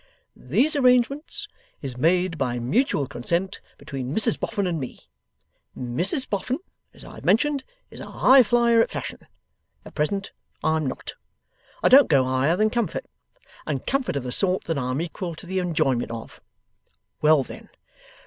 These arrangements is made by mutual consent between Mrs Boffin and me. Mrs Boffin, as I've mentioned, is a highflyer at Fashion; at present I'm not. I don't go higher than comfort, and comfort of the sort that I'm equal to the enjoyment of. Well then.